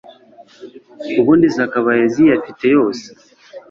ubundi zakabaye ziyafite yose